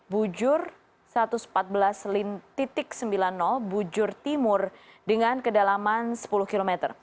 bujur satu ratus empat belas sembilan puluh bujur timur dengan kedalaman sepuluh km